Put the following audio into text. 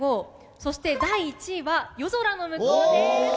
そして第１位は『夜空ノムコウ』です。